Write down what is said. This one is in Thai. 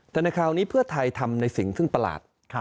แต่ในคราวนี้เพื่อไทยทำในสิ่งซึ่งประหลาด